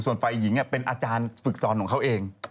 ส่วนฝ่ายหญิงเป็นอาจารย์ฝึกสอนของเขาเอง